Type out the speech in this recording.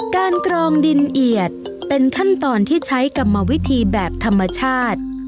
กรองดินเอียดเป็นขั้นตอนที่ใช้กรรมวิธีแบบธรรมชาติ